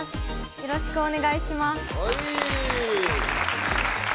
よろしくお願いします。